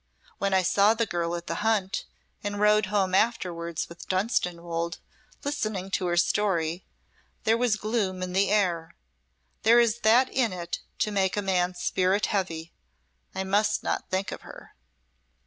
When I saw the girl at the hunt, and rode home afterwards with Dunstanwolde, listening to her story, there was gloom in the air. There is that in it to make a man's spirit heavy. I must not think of her."